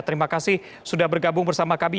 terima kasih sudah bergabung bersama kami